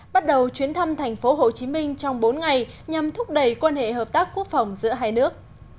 bắt đầu chuyến thăm thành phố hồ chí minh trong bốn ngày nhằm thúc đẩy quan hệ hợp tác quốc phòng giữa hai nước